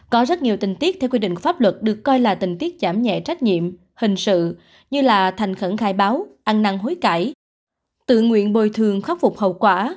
có rất nhiều tình tiết theo quy định pháp luật được coi là tình tiết giảm nhẹ trách nhiệm hình sự như là thành khẩn khai báo ăn năng hối cãi tự nguyện bồi thường khắc phục hậu quả